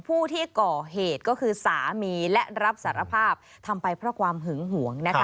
ผู้ที่ก่อเหตุก็คือสามีและรับสารภาพทำไปเพราะความหึงหวงนะคะ